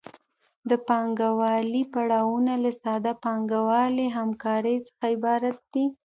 د پانګوالي پړاوونه له ساده پانګوالي همکارۍ څخه عبارت دي